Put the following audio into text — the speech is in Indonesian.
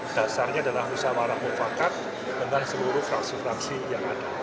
dasarnya adalah usaha ramuh fakat dengan seluruh traksi fraksi yang ada